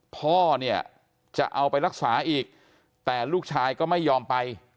พ่อเนี่ยจะเอาไปรักษาอีกแต่ลูกชายก็ไม่ยอมไป